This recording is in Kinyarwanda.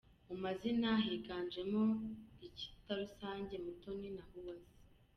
Mu mazina, higanjemo icyitarusange “Mutoni” na “Uwase”.